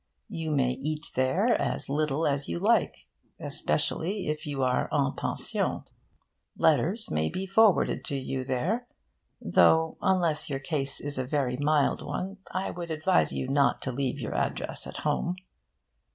You may eat there as little as you like, especially if you are en pension. Letters may be forwarded to you there; though, unless your case is a very mild one, I would advise you not to leave your address at home.